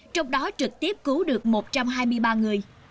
trong đó trực tiếp cứu được một trăm hai mươi ba người